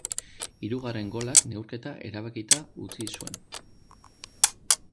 Hirugarren golak neurketa erabakita utzi zuen.